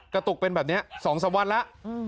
กระตุกเป็นแบบนี้๒๓วันแล้ว